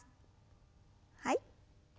はい。